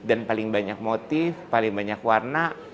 dan paling banyak motif paling banyak warna